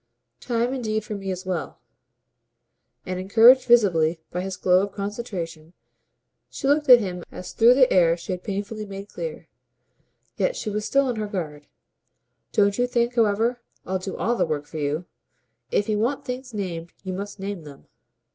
"Time indeed for me as well." And encouraged visibly by his glow of concentration, she looked at him as through the air she had painfully made clear. Yet she was still on her guard. "Don't think, however, I'll do ALL the work for you. If you want things named you must name them."